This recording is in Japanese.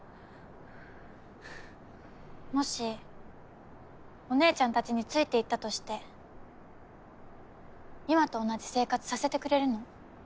もしお姉ちゃんたちについていったとして今と同じ生活させてくれるの？